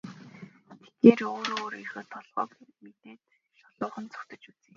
Тэгэхээр өөрөө өөрийнхөө толгойг мэдээд шулуухан зугтаж үзье.